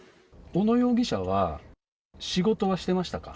小野容疑者は、仕事はしてましたか？